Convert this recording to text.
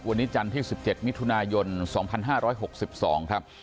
วันนี้จันทร์ที่๑๗มิถุนายน๒๕๖๒ครับ